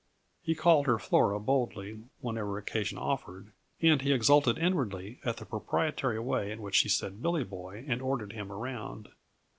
He called her Flora boldly whenever occasion offered, and he exulted inwardly at the proprietary way in which she said "Billy Boy" and ordered him around.